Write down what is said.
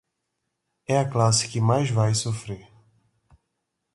É a classe que mais vai sofrer.